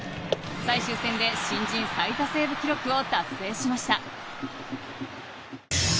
最終戦で新人最多セーブ記録を達成しました。